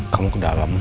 kamu ke dalam